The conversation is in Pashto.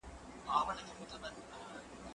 کېدای سي ليکنې اوږدې وي؟